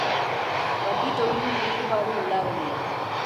வட்டித் தொழிலில் ஈடுபாடு உண்டாகவில்லை.